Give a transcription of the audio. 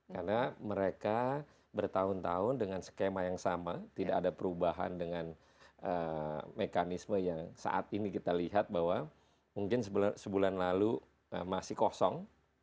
karena mereka bertahun tahun dengan skema yang sama tidak ada perubahan dengan mekanisme yang saat ini kita lihat bahwa mungkin sebulan lalu masih kosong